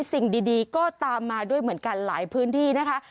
สิ่งดีก็ตามมาด้วยเหมือนกันหลายพื้นที่นะคะ